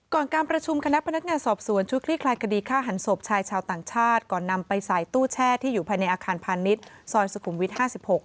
การประชุมคณะพนักงานสอบสวนชุดคลี่คลายคดีฆ่าหันศพชายชาวต่างชาติก่อนนำไปใส่ตู้แช่ที่อยู่ภายในอาคารพาณิชย์ซอยสุขุมวิท๕๖